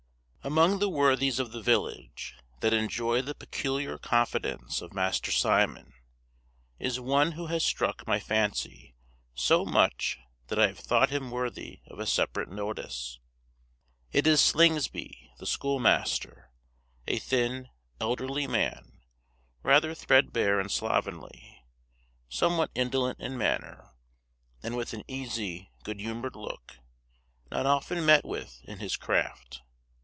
Among the worthies of the village, that enjoy the peculiar confidence of Master Simon, is one who has struck my fancy so much that I have thought him worthy of a separate notice. It is Slingsby, the schoolmaster, a thin, elderly man, rather threadbare and slovenly, somewhat indolent in manner, and with an easy, good humoured look, not often met with in his craft.